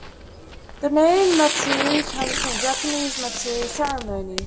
The name Matsuri comes from the Japanese Matsuri ceremony.